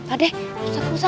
adeh ustadzah muhtar